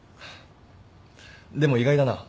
でも意外だな。